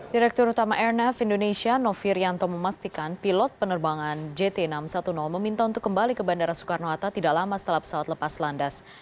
direktur utama airnav indonesia novi rianto memastikan pilot penerbangan jt enam ratus sepuluh meminta untuk kembali ke bandara soekarno hatta tidak lama setelah pesawat lepas landas